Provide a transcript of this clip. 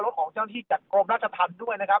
กินดอนเมืองในช่วงเวลาประมาณ๑๐นาฬิกานะครับ